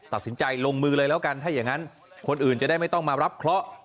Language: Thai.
ตัดสินใจลงมือเลยแล้วกันถ้าอย่างนั้นคนอื่นจะได้ไม่ต้องมารับเคราะห์